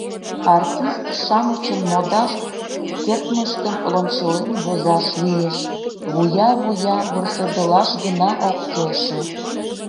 Артист-шамычын модаш кертмыштым лончылен возаш лиеш, вуя-вуя вурседылаш гына ок келше.